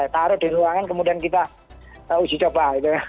taruh di ruangan kemudian kita uji coba